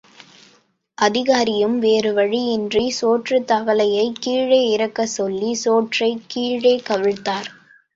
அதிகாரியும் வேறு வழியின்றிச் சோற்றுத் தவலையைக் கீழே இறக்கச்சொல்லி சோற்றை கீழே கவிழ்த்தார்.